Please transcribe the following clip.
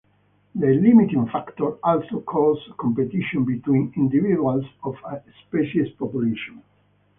The limiting factor also causes competition between individuals of a species population.